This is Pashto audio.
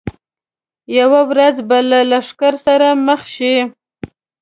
یوه ورځ به له ښکرور سره مخ شي.